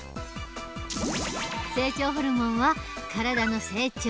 成長ホルモンは体の成長